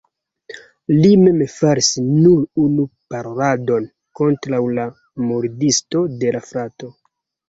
Li mem faris nur unu paroladon kontraŭ la murdisto de la frato.